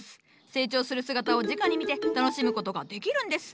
成長する姿をじかに見て楽しむことができるんです。